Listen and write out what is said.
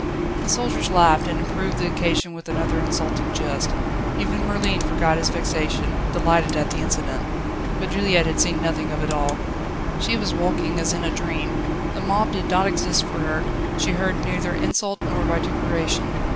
The soldiers laughed, and improved the occasion with another insulting jest. Even Merlin forgot his vexation, delighted at the incident. But Juliette had seen nothing of it all. She was walking as in a dream. The mob did not exist for her; she heard neither insult nor vituperation.